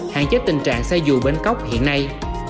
hạn chế tình trạng xe dù bến cóc hiện nay